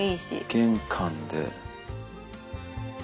玄関で。